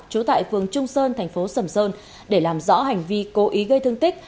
trú tại phường trung sơn thành phố sầm sơn để làm rõ hành vi cố ý gây thương tích